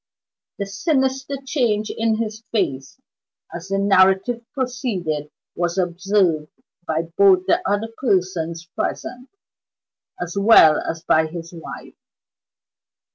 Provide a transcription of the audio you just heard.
The sinister change in his face, as the narrative proceeded was observed by both the other persons present, as well as by his wife.